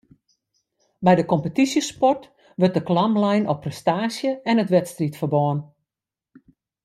By de kompetysjesport wurdt de klam lein op prestaasje en it wedstriidferbân